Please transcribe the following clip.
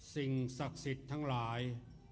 สิ่งศักดิ์สิทธิ์ทั้งหลาย